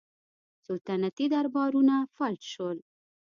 سلطنتي دربارونه فلج شول